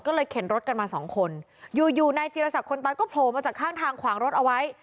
ก็เลยเข็นรถกันมาสองคนอยู่อยู่นายจีรศักดิ์คนตายก็โผล่มาจากข้างทางขวางรถเอาไว้